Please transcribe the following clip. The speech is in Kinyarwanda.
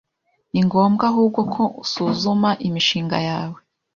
Ni ngombwa ahubwo ko usuzuma imishinga yawe